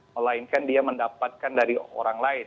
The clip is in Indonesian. melainkan dia mendapatkan dari orang lain